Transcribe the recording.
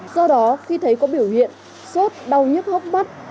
do đó khi thấy có biểu hiện sốt đau nhức hốc mắt